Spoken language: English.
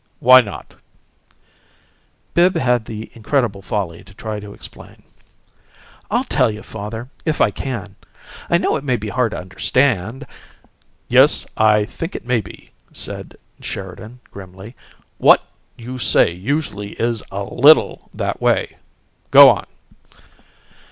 "Why not?" Bibbs had the incredible folly to try to explain. "I'll tell you, father, if I can. I know it may be hard to understand " "Yes, I think it may be," said Sheridan, grimly. "What you say usually is a LITTLE that way. Go on!"